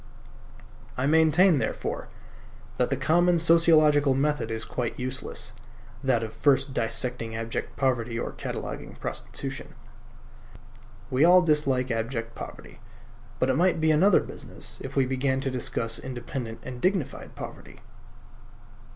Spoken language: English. I maintain, therefore, that the common sociological method is quite useless: that of first dissecting abject poverty or cataloguing prostitution. We all dislike abject poverty; but it might be another business if we began to discuss independent and dignified poverty.